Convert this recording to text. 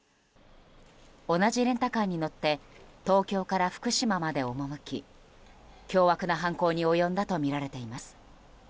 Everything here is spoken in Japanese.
同じレンタカーに乗って東京から福島まで赴き凶悪な犯行に及んだとみられています。